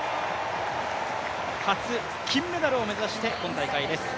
初、金メダルを目指して今大会です。